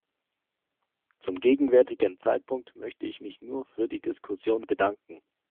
Zum gegenwärtigen Zeitpunkt möchte ich mich nur für die Diskussion bedanken.